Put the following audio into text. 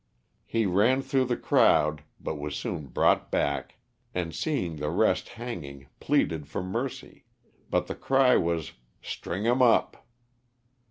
He ran through the crowd but was soon brought back and seeing the rest hanging pleaded for mercy, but the cry was, "string him up."